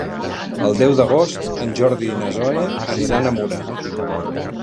El deu d'agost en Jordi i na Zoè aniran a Mura.